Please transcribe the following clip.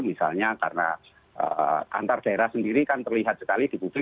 misalnya karena antar daerah sendiri kan terlihat sekali di publik